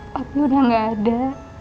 papi udah gak ada